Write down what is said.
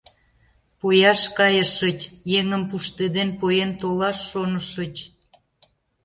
Пояш кайышыч, еҥым пуштеден поен толаш шонышыч?